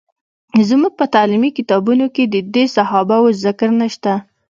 زموږ په تعلیمي کتابونو کې د دې صحابه وو ذکر نشته.